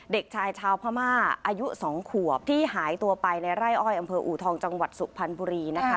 เด็กชายชาวพม่าอายุ๒ขวบที่หายตัวไปในไร่อ้อยอำเภออูทองจังหวัดสุพรรณบุรีนะคะ